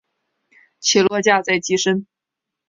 起落架在机身。